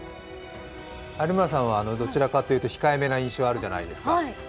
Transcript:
有村さんはどちらかというと控えめな印象があるじゃないですか。